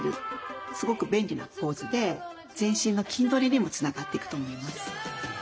すごく便利なポーズで全身の筋トレにもつながっていくと思います。